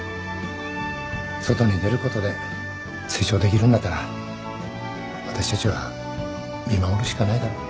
外に出ることで成長できるんだったら私たちは見守るしかないだろ。